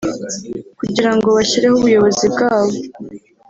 kugira ngo bashyireho ubuyobozi bwabo